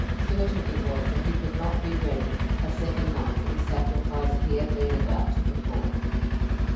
Certain it was that he could not be ready a second night for the sacrifice he had been about to perform.